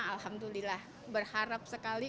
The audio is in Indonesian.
alhamdulillah berharap sekali